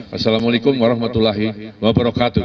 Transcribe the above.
wassalamu'alaikum warahmatullahi wabarakatuh